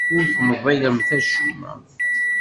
Ur temḍilemt acemma.